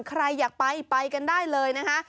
ใครอยากไปไปกันได้เลยนะคะ